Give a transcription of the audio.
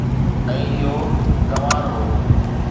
۽ اهو گنوار هو